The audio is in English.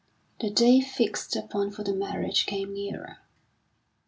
The day fixed upon for the marriage came nearer.